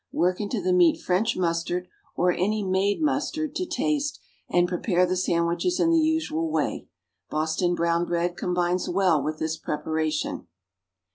Work into the meat French mustard, or any "made" mustard, to taste, and prepare the sandwiches in the usual way. Boston brownbread combines well with this preparation.